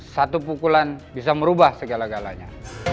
satu pukulan bisa merubah segala galanya